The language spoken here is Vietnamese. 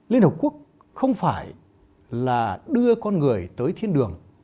liên hợp quốc không phải là đưa con người tới thiên đường